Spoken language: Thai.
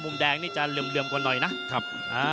แดงนี่จะเหลื่อมกว่าหน่อยนะครับ